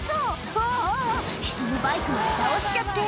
あー、あー、人のバイクも倒しちゃって。